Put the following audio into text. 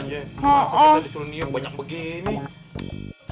masa masa disuruh niam banyak begini